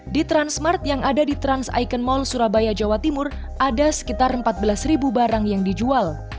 di transmart yang ada di trans icon mall surabaya jawa timur ada sekitar empat belas barang yang dijual